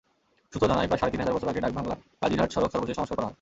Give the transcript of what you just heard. সূত্র জানায়, প্রায় সাড়ে তিন বছর আগে ডাকবাংলা-কাজীরহাট সড়ক সর্বশেষ সংস্কার করা হয়।